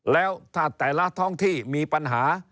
แล้วถ้าแต่ละท้องที่มีปัญหา